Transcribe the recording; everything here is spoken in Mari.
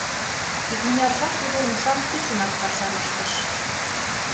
Икмыняр жап тудо умшам тӱчынак пашам ыштыш.